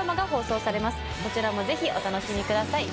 こちらもぜひお楽しみください。